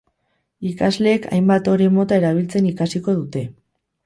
Ikasleek hainbat ore mota erabiltzen ikasiko dute.